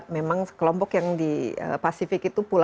memang kelompok yang di pasifik itu